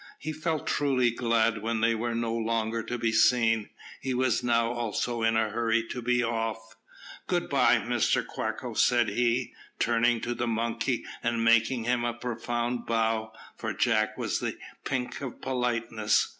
He felt truly glad when they were no longer to be seen. He was now also in a hurry to be off. "Good bye, Mr Quacko," said he, turning to the monkey, and making him a profound bow, for Jack was the pink of politeness.